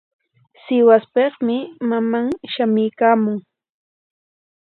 Sihuaspikmi maman shamuykaamun.